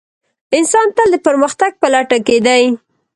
انسان تل د پرمختګ په لټه کې دی.